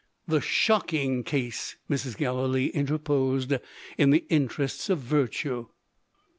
"The shocking case," Mrs. Gallilee interposed, in the interests of Virtue.